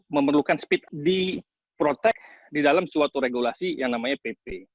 memerlukan speed di protect di dalam suatu regulasi yang namanya pp